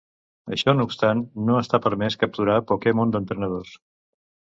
Això no obstant, no està permès capturar Pokémon d'entrenadors.